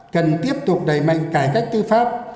cần tiếp tục đẩy mạnh cải cách tư pháp